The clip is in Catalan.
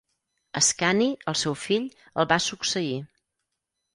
Ascani, el seu fill, el va succeir.